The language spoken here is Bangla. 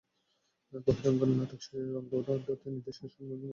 বহিরাঙ্গণে নাটক শেষে রঙ্গ আড্ডাতে নির্দেশকের সঙ্গে জমে ওঠে দর্শকের আড্ডা।